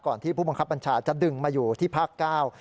ที่ผู้บังคับบัญชาจะดึงมาอยู่ที่ภาคเก้า